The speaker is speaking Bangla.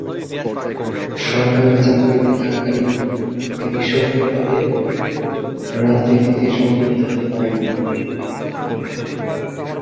সরকারি চাকুরীতে থাকাকালীন তিনি সক্রিয় ভাবে রাজনীতিতে সম্পৃক্ত হতে পারেন নি।